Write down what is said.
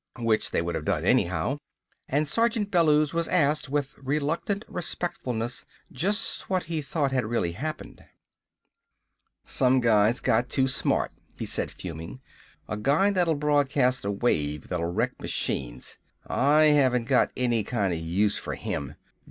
Which they would have done anyhow. And Sergeant Bellews was asked with reluctant respectfulness, just what he thought had really happened. "Some guys got too smart," he said, fuming. "A guy that'll broadcast a wave that'll wreck machines ... I haven't got any kinda use for him!